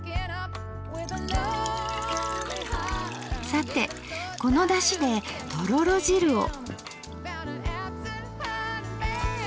さてこのだしでとろろ汁を。